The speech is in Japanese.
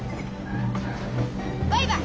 バイバイ。